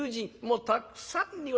もうたくさんに。